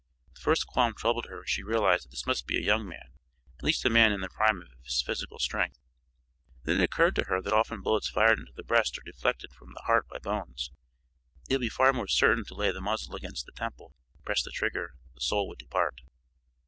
The first qualm troubled her as she realized that this must be a young man, at least a man in the prime of his physical strength. Then it occurred to her that often bullets fired into the breast are deflected from the heart by bones; it would be far more certain to lay the muzzle against the temple press the trigger the soul would depart.